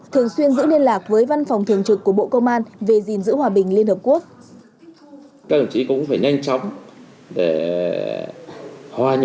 thường xuyên giữ liên lạc với văn phòng thường trực của bộ công an về gìn giữ hòa bình liên hợp quốc